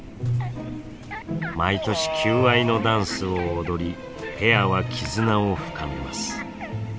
毎年求愛のダンスを踊りペアは絆を深めます。